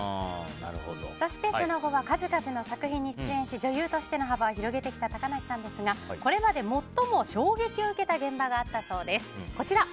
そしてその後は数々の作品に出演し女優としての幅を広げてきた高梨さんですがこれまで最も衝撃を受けた現場があったそうです。